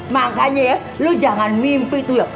makanya ya lo jangan mimpi tuh ya